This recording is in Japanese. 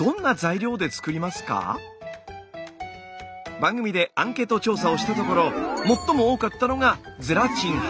番組でアンケート調査をしたところ最も多かったのがゼラチン派。